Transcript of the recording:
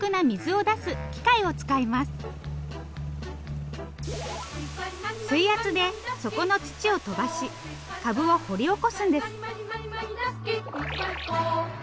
水圧で底の土を飛ばし株を掘り起こすんです。